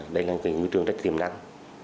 đây là nghề nguyên trường rất tiềm năng